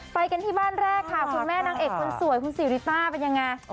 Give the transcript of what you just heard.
ไปกันที่บ้านแรกค่ะคุณแม่นางเอกคนสวยคุณศรีริต้าเป็นยังไง